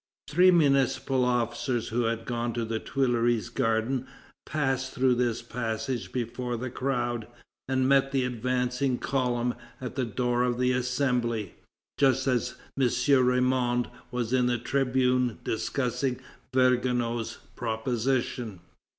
Three municipal officers who had gone to the Tuileries Garden, passed through this passage before the crowd, and met the advancing column at the door of the Assembly, just as M. Ramond was in the tribune discussing Vergniaud's proposition.